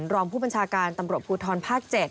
รองผู้บัญชาการตำรวจภูทรภาค๗